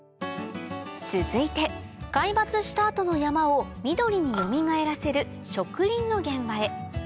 続いて皆伐した後の山を緑によみがえらせる植林の現場へ